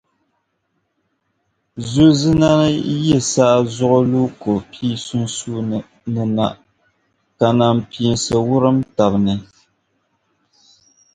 Zuu zinani yi saazuɣu lu ko' pii sunsuuni na ka nampiinsi wurum taba ni.